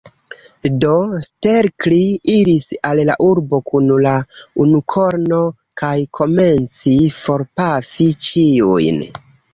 Do, Stelkri iris al la urbo kun la unukorno, kaj komencis forpafi ĉiujn.